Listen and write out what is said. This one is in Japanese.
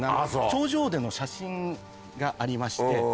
頂上での写真がありまして。